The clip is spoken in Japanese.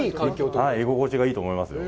はい、居心地がいいと思いますよ。